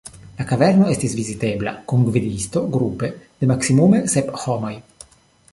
La kaverno estas vizitebla kun gvidisto grupe de maksimume sep homoj.